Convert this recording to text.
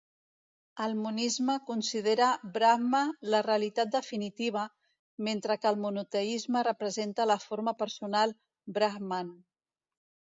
El monisme considera Brahma la realitat definitiva, mentre que el monoteisme representa la forma personal Brahman.